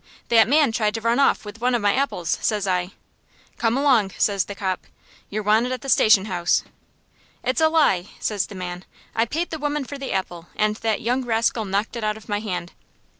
"'That man tried to run off wid one of my apples,' says I. "'Come along,' says the cop. 'You're wanted at the station house.' "'It's a lie,' says the man. 'I paid the woman for the apple, and that young rascal knocked it out of my hand.'